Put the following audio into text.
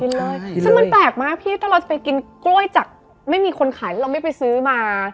ซึ่งมันแปลกมากพี่ถ้าเราจะไปกินกล้วยจากไม่มีคนขายแล้วเราไม่ไปซื้อมา